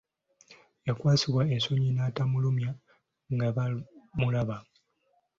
Yakwasibwa ensonyi n’atamulumya nga bamulaba.